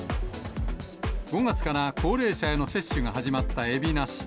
５月から、高齢者への接種が始まった海老名市。